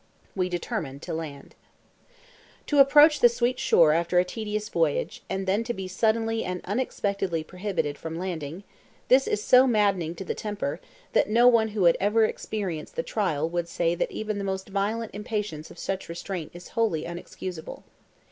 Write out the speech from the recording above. We determined to land. To approach the sweet shore after a tedious voyage, and then to be suddenly and unexpectedly prohibited from landing—this is so maddening to the temper, that no one who had ever experienced the trial would say that even the most violent impatience of such restraint is wholly inexcusable.